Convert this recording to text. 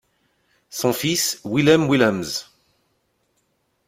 Son fils, Willem Willemsz.